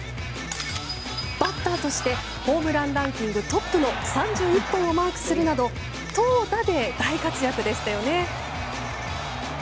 バッターとしてホームランランキングトップの３１本をマークするなど投打で大活躍でしたよね！